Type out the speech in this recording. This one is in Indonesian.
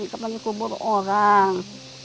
ketika dikubur orang